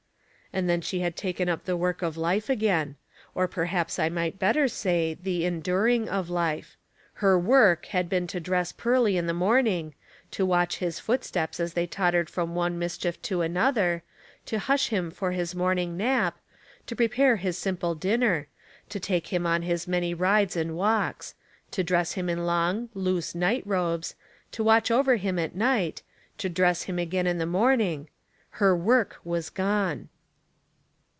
And then she had taken up the work of life again — or perhaps I might better say the eiiduring of life. Her work had been to dress Pearly in the morning, to watch his footsteps as they tottered from one mischief to another; to hush him for his morning nap ; to prepare his simple dinner ; to take him on his many rides and walks; to dress him in long, loose night iobes ; to watch over him at night ; to dress him again in the morning — her work was gone.